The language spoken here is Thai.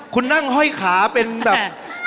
คุณนั่งห้อยขาเป็นแบบ